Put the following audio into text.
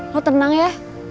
lo tenang ya